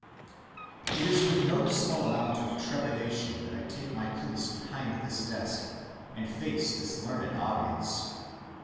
It is with no small amount of trepidation that I take my place behind this desk, and face this learned audience.